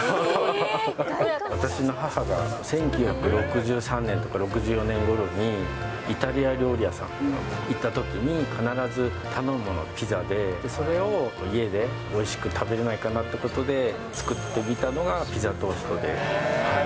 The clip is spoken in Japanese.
私の母が１９６３年とか６４年ごろに、イタリア料理屋さんに行ったときに、必ず頼むもの、ピザで、それを家でおいしく食べれないかなっていうことで、作ってみたのがピザトーストで。